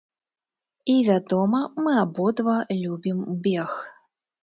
І, вядома, мы абодва любім бег.